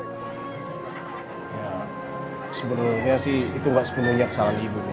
ya sebenernya sih itu gak sepenuhnya kesalahan ibu